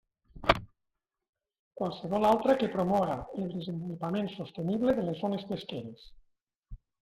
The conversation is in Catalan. Qualsevol altra que promoga el desenvolupament sostenible de les zones pesqueres.